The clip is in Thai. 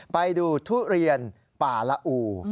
ไปดูทุเรียนป่าละอู